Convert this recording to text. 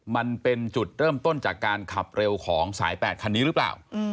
มันเป็นจุดเริ่มต้นจากการขับเร็วของสาย๘คันนี้หรือเปล่า